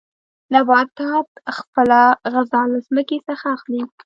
نباتات خپله غذا له ځمکې څخه اخلي.